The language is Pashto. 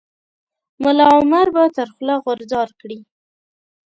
ملا عمر به تر خوله غورځار کړي.